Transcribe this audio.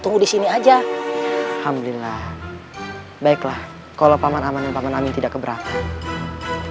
tunggu di sini aja alhamdulillah baiklah kalau paman aman dan paman amin tidak keberatan